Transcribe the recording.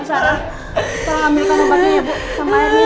nusara kita ambilkan obatnya ya bu sama emi